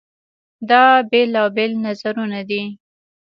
دا بېلابېل نظرونه دي.